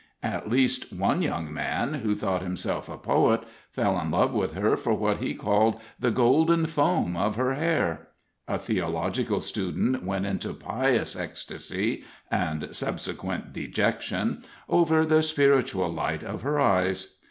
At least one young man, who thought himself a poet, fell in love with her for what he called the golden foam of her hair; a theological student went into pious ecstasy (and subsequent dejection) over the spiritual light of her eyes.